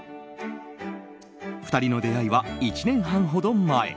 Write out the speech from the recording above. ２人の出会いは１年半ほど前。